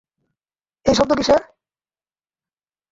এই শব্দ কীসের?